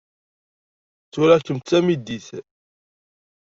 Ttwaliɣ-kem d tamidit.